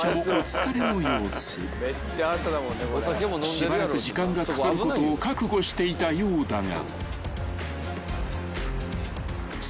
［しばらく時間がかかることを覚悟していたようだが］